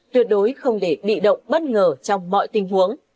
tuyệt đối không để bị động bất ngờ trong mọi tình huống